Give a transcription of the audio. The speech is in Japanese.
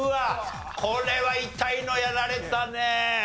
これは痛いのやられたね。